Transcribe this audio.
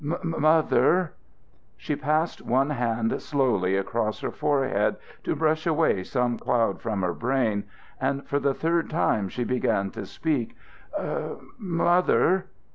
"Mother! " She passed one hand slowly across her forehead, to brush away some cloud from her brain, and for the third time she began to speak: "Mother!